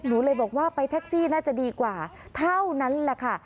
หนูเลยบอกว่าไปแท็กซี่น่าจะดีกว่าเท่านั้นแหละค่ะ